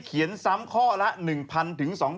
เขียนซ้ำข้อละ๑๐๐ถึง๒๐๐